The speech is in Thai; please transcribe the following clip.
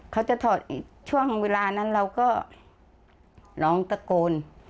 เขาจะถอดช่วงเวลานั้นเราก็ร้องตะโกน